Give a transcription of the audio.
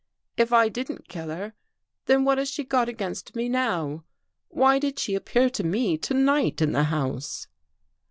"If I didn't kill her, then what has sKe got against me now? Why did she appear to me to night in the house?"